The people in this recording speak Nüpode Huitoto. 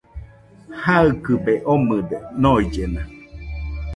Jaɨkɨbe omɨde noillena